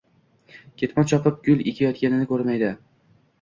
ketmon chopib gul ekayotganini ko‘rmaydi.